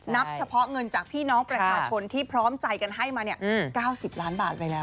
นับเฉพาะเงินจากพี่น้องประชาชนที่พร้อมใจกันให้มา๙๐ล้านบาทไปแล้ว